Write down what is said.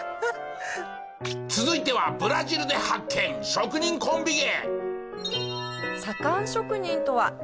続いてはブラジルで発見職人コンビ芸！